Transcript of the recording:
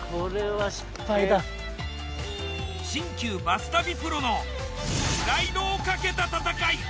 新旧バス旅プロのプライドをかけた戦い。